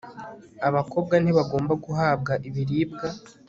abakobwa ntibagomba guhabwa ibiribwa